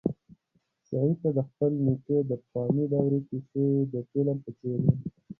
سعید ته د خپل نیکه د پخوانۍ دورې کیسې د فلم په څېر وې.